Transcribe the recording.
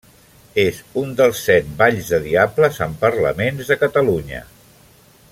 És un dels set balls de diables amb parlaments de Catalunya.